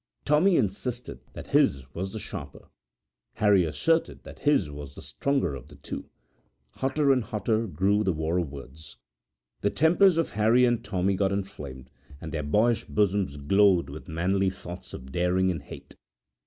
Tommy insisted that his was the sharper, Harry asserted that his was the stronger of the two. Hotter and hotter grew the war of words. The tempers of Harry and Tommy got inflamed, and their boyish bosoms glowed with manly thoughts of daring and hate.